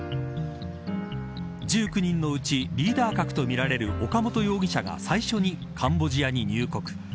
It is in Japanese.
１９人のうち、リーダー格とみられる岡本容疑者が最初にカンボジアに入国。